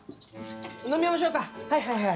飲みましょうかはいはいはいはい。